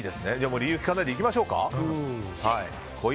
理由聞かないでいきましょうか。